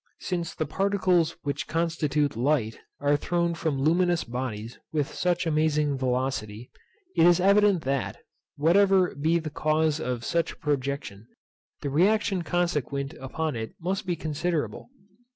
Since the particles which constitute light are thrown from luminous bodies with such amazing velocity, it is evident that, whatever be the cause of such a projection, the reaction consequent upon it must be considerable.